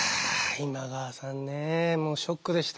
今川さんねもうショックでした。